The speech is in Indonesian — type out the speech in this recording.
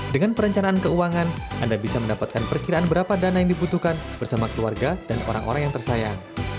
dengan perencanaan keuangan anda bisa mendapatkan perkiraan berapa dana yang dibutuhkan bersama keluarga dan orang orang yang tersayang